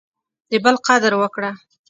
د بل قدر وکړه.